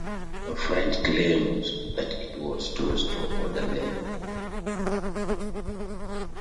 The French claimed that it was to restore order there.